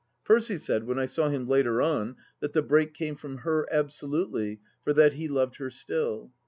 Percy said, when I saw him later on, that the break came from her, absolutely, for that he loved her still.